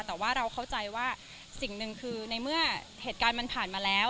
แต่ว่าเราเข้าใจว่าสิ่งหนึ่งคือในเมื่อเหตุการณ์มันผ่านมาแล้ว